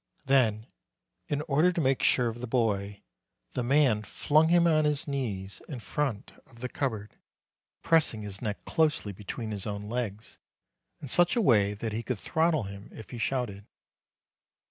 194 MARCH Then, in order to make sure of the boy, the man flung him on his knees in front of the cupboard, press ing his neck closely between his own legs, in such a way that he could throttle him if he shouted.